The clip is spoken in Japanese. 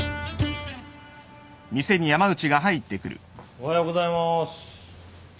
おはようございます。